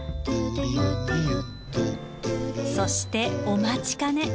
そしてお待ちかね！